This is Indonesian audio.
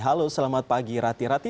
halo selamat pagi rati rati